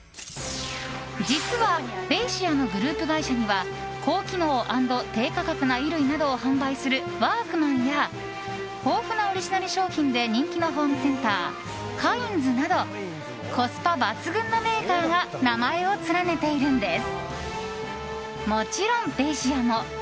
実はベイシアのグループ会社には高機能＆低価格な衣類などを販売するワークマンや豊富なオリジナル商品で人気のホームセンターカインズなどコスパ抜群のメーカーが名前を連ねているんです。